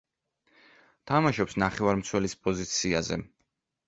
თამაშობს ნახევარმცველის პოზიციაზე.